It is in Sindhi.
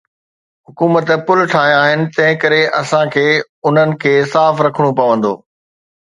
حڪومت پل ٺاهيا آهن، تنهنڪري اسان کي انهن کي صاف رکڻو پوندو.